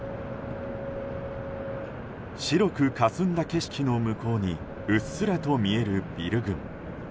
白くかすんだ景色の向こうにうっすらと見えるビル群。